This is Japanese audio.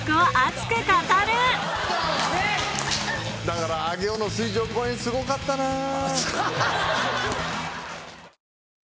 だから上尾の水上公園すごかったなぁ。